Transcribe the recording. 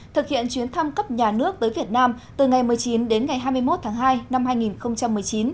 thực hiện chuyến thăm cấp nhà nước tới việt nam từ ngày một mươi chín đến ngày hai mươi một tháng hai năm hai nghìn một mươi chín